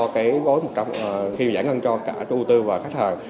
khi giải ngân cho cả cho ưu tư và khách hàng